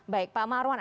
baik pak marwan